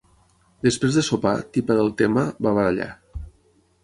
Després de sopar, tipa del tema, va badallar.